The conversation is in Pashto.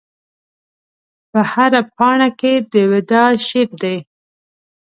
په هره پاڼه کې د وداع شعر دی